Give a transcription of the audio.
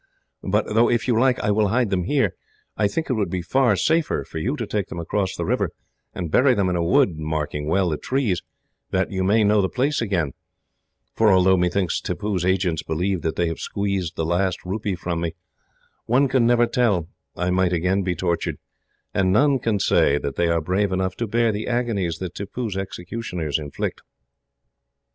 But though, if you like, I will hide them here, I think it would be far safer for you to take them across the river, and bury them in a wood, marking well the trees, that you may know the place again; for although methinks Tippoo's agents believe that they have squeezed the last rupee from me, one can never tell I might again be tortured, and none can say that they are brave enough to bear the agonies that Tippoo's executioners inflict.